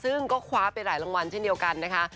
ซึ่งก็คว้าไปหลายรางวัลเช่นเดียวกันนะคะ